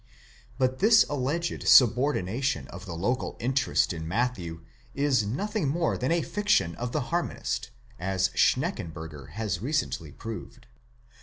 But this alleged subordination of the local interest in Matthew, is nothing more than a fiction of the harmonist, as Schneckenburger has recently proved.